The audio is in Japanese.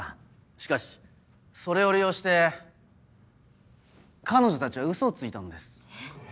しかしそれを利用して彼女たちはウソをついたのです。